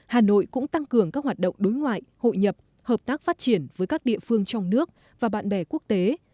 hà nội cũng tăng cường các hoạt động đối ngoại hội nhập hợp tác phát triển với các địa phương trong nước và bạn bè quốc tế